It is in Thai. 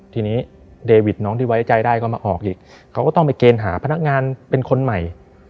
ทีนี้เดวิดน้องที่ไว้ใจได้ก็มาออกอีกเขาก็ต้องไปเกณฑ์หาพนักงานเป็นคนใหม่